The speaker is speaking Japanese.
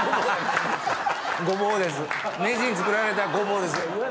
名人作られたごぼうです。